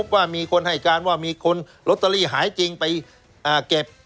ว่ามีคนให้การว่ามีคนลอตเตอรี่หายจริงไปเก็บ